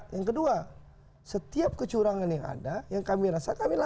yang kedua setiap kecurangan yang ada yang kami rasa kami laporkan ke bawaslu